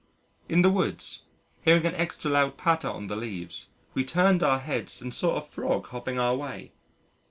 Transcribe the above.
In the woods, hearing an extra loud patter on the leaves, we turned our heads and saw a Frog hopping our way.